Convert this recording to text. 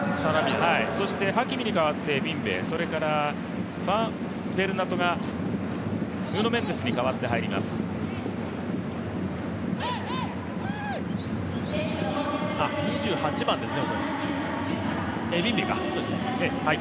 そしてハキミに代わってエビンベ、それからベルナトがヌーノ・メンデスに代わって入ります。